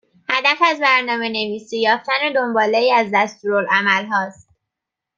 هدف از برنامهنویسی یافتن دنباله ای از دستورالعملها است